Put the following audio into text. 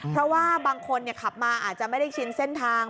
เพราะว่าบางคนขับมาอาจจะไม่ได้ชินเส้นทาง